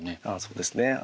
ああそうですね。